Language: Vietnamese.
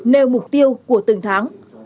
nêu mục tiêu của từng tháng